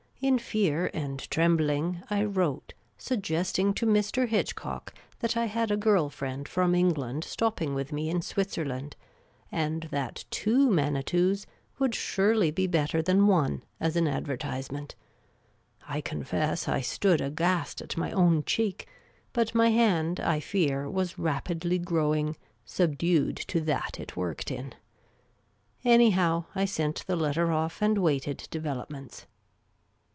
In fear and trembling, I wrote, suggesting to Mr. Hitchcock that I had a girl friend from England .stopping with me in Switzerland, and thut two Manitous would surely be better than one as an adver//.sr ment. I confess I .stood agha.st at my own clieek ; but my hand, I fear, was rapidly growing " subdued to that it worked in." Anyhow I .sent the letter off, and waited de velopments.